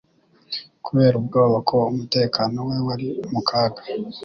kubera ubwoba ko umutekano we wari mu kaga.